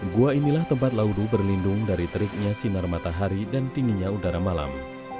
gua inilah tempat laudu berlindung dari teriknya sinar matahari dan tingginya udara malam